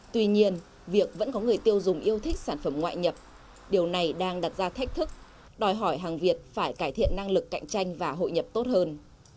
tuy nhiên việc vẫn có người tiêu dùng yêu thích sản phẩm ngoại nhập điều này đang đặt ra thách thức đòi hỏi hàng việt phải cải thiện năng lực cạnh tranh và hội nhập tốt hơn